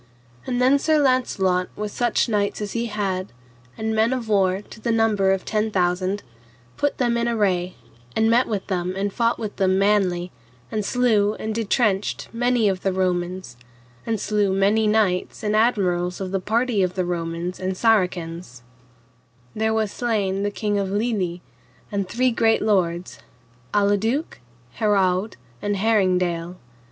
And then Sir Launcelot with such knights as he had, and men of war to the number of ten thousand, put them in array, and met with them and fought with them manly, and slew and detrenched many of the Romans, and slew many knights and admirals of the party of the Romans and Saracens; there was slain the king of Lyly and three great lords, Aladuke, Herawd, and Heringdale.